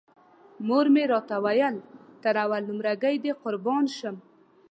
مور مې راته ویل تر اول نمره ګۍ دې قربان شم.